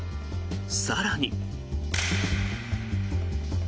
更に。